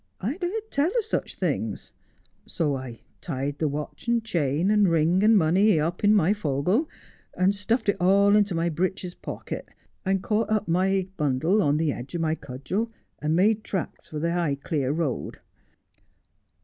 I'd heard tell o' such things. So 1 tied th" watch and chain and ring and money up in my fogle, and 26 Just as I Am. stuffed it all into my breeches pocket, and caught up my bundle on the end o' my cudgel, and made tracks for the Highclere road.'